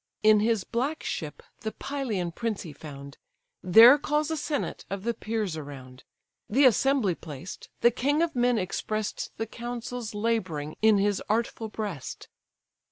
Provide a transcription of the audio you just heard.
In his black ship the Pylian prince he found; There calls a senate of the peers around: The assembly placed, the king of men express'd The counsels labouring in his artful breast.